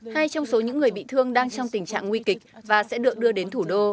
hai trong số những người bị thương đang trong tình trạng nguy kịch và sẽ được đưa đến thủ đô